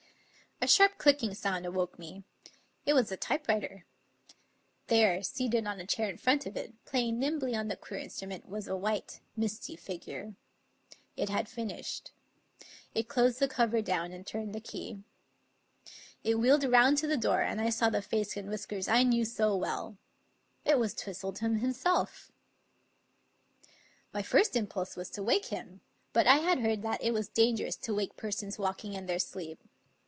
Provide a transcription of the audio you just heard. A sharp clicking sound awoke me. It was the typewriter. There, seated on a chair in front of it, playing nimbly on the queer instrument, was a white, misty figure. It had finished. It closed the cover down and turned the key. 302 Mr. TwistletofCs Typewriter It wheeled round to the door, and I saw the face and whis kers I knew so well; it was Twistleton himself. My first impulse was to wake him, but I had heard that it was dangerous to wake persons walking in their sleep.